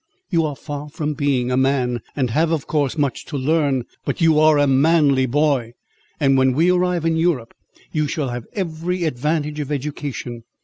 You are far from being a man, and have, of course, much to learn; but you are a manly boy; and when we arrive in Europe, you shall have every advantage of education.